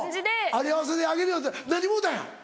「有り合わせであげるよ」って何もろうたんや？